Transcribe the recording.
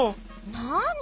なに？